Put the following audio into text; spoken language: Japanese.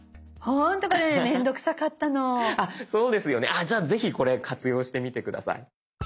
あじゃあぜひこれ活用してみて下さい。